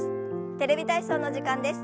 「テレビ体操」の時間です。